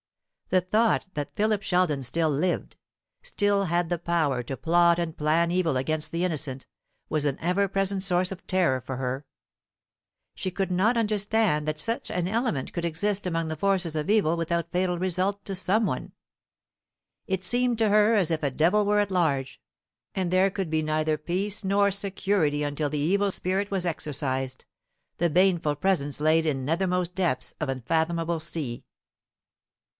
The thought that Philip Sheldon still lived, still had the power to plot and plan evil against the innocent, was an ever present source of terror to her. She could not understand that such an element could exist among the forces of evil without fatal result to some one. It seemed to her as if a devil were at large, and there could be neither peace nor security until the evil spirit was exorcised, the baneful presence laid in nethermost depths of unfathomable sea.